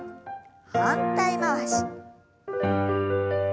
反対回し。